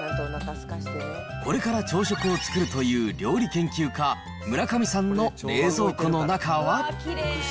これから朝食を作るという料理研究家、村上さんの冷蔵庫の中は？